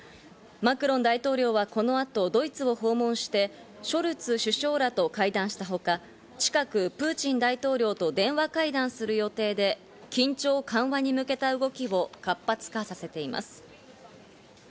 マクロン大統領はこの後、ドイツを訪問してショルツ首相らと会談したほか、近くプーチン大統領と電話会談する予定で、緊張緩和に向けた動きを活発化させています。